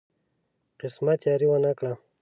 قسمت یاري ونه کړه.